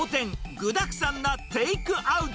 具だくさんなテイクアウト。